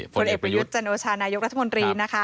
ผลเอกประยุทธ์จันโอชานายกรัฐมนตรีนะคะ